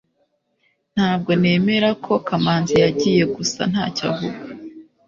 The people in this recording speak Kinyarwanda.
ntabwo nemera ko kamanzi yagiye gusa ntacyo avuga